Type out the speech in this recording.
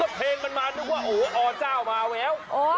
เพลงมันมานึกว่าโอ้อเจ้ามาแล้ว